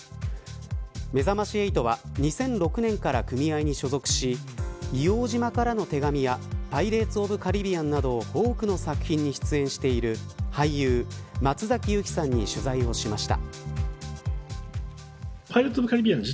めざまし８は２００６年から組合に所属し硫黄島からの手紙やパイレーツ・オブ・カリビアンなど多くの作品に出演している俳優松崎悠希さんに取材をしました。